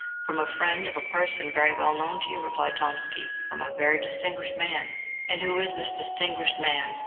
"From a friend of a person very well known to you," replied Tomsky, "from a very distinguished man." "And who is this distinguished man?"